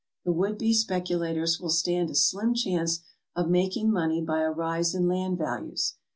The would be speculators will stand a slim chance of making money by a rise in land values.